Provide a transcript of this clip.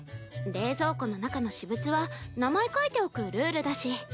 冷蔵庫の中の私物は名前書いておくルールだし。